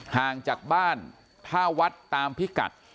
ห่างจากบ้านถ้าวัดตามพิกัด